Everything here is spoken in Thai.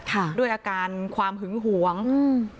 ค่ะด้วยอาการความหึงหวงอืม